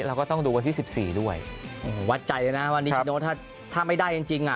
แล้วก็ต้องดูวันที่สิบสี่ด้วยหวัดใจเลยนะวันนี้ถ้าไม่ได้จริงจริง